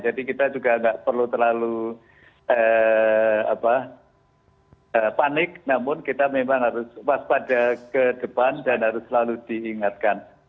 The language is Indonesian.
jadi kita juga tidak perlu terlalu panik namun kita memang harus waspada ke depan dan harus selalu diingatkan